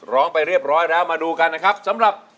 ร้องได้ร้องได้ร้องได้